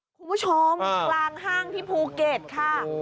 คุณผู้ชมตรางห้างที่ภูเกตค่ะ